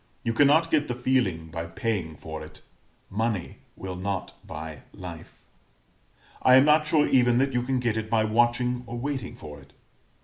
You cannot get the feeling by paying for it money will not buy life. I am not sure even that you can get it by watching or waiting for it.